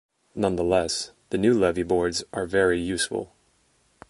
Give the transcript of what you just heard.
Nonetheless, the new levee boards are very useful.